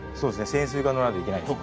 潜水艦乗らないと行けないです